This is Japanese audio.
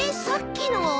さっきの。